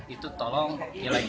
itu tolong ilegalkan juga oleh bupati